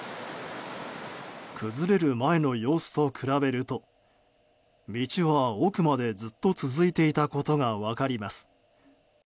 崩れる前の様子と比べると道は、奥までずっと続いていたことが分かります。